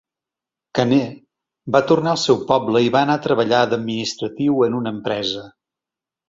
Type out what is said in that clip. Caner va tornar al seu poble i va anar a treballar d'administratiu en una empresa.